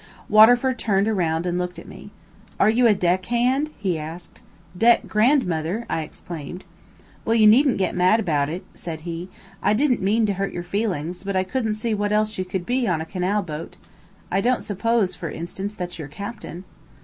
Waterford turned around and looked at me. "Are you a deck hand?" he asked. "Deck grandmother!" I exclaimed. "Well, you needn't get mad about it," he said. "I didn't mean to hurt your feelings; but I couldn't see what else you could be on a canal boat. I don't suppose, for instance, that you're captain."